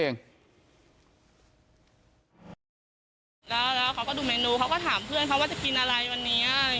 แล้วเขาก็ดูเมนูเขาก็ถามเพื่อนเขาว่าจะกินอะไรวันนี้